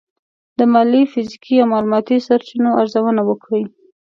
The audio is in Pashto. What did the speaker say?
د مالي، فزیکي او معلوماتي سرچینو ارزونه وکړئ.